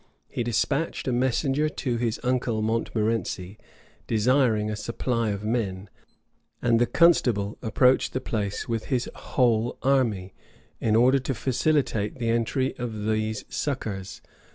He despatched a messenger to his uncle Montmorency, desiring a supply of men; and the constable approached the place with his whole army, in order to facilitate the entry of these succors.